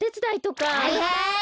はいはい。